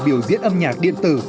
biểu diễn âm nhạc điện tử